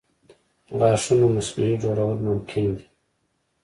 د غاښونو مصنوعي جوړول ممکنه دي.